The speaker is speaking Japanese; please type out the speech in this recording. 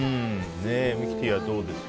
ミキティはどうですか？